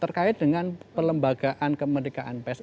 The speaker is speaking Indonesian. terkait dengan pelembagaan kemerdekaan pes